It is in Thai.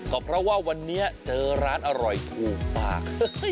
ก็เพราะว่าวันนี้เจอร้านอร่อยถูกปาก